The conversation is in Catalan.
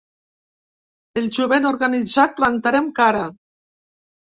El jovent organitzat plantarem cara!